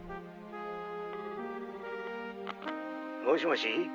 もしもし。